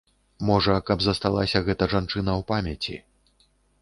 Можа, каб засталася гэта жанчына ў памяці.